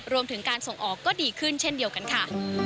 รวมถึงการส่งออกก็ดีขึ้นเช่นเดียวกันค่ะ